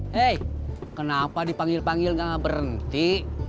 hei kenapa dipanggil panggil gak berhenti